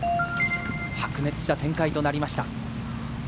白熱した展開となりました。